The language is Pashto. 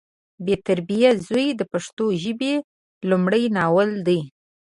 بې تربیه زوی د پښتو ژبې لمړی ناول دی